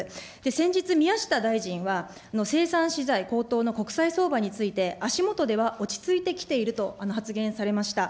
先日、宮下大臣は、生産資材高騰の国際相場について、足下では落ち着いてきていると発言されました。